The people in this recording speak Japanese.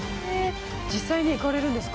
実際に行かれるんですか？